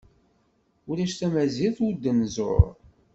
Ulac tamazirt ur d-nzuṛ.